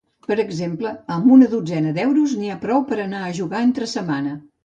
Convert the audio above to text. Per exemple, amb una dotzena d'euros n'hi ha prou per anar a jugar entre setmana.